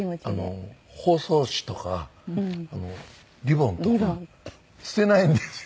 だからねあの包装紙とかリボンとか捨てないんですよね。